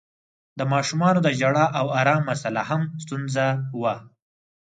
د ماشومانو د ژړا او آرام مسآله هم ستونزه وه.